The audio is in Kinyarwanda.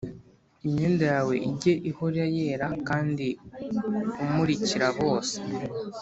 Imyenda yawe ijye ihora yera kandi umurikira bose